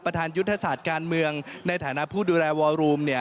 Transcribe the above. ยุทธศาสตร์การเมืองในฐานะผู้ดูแลวอรูม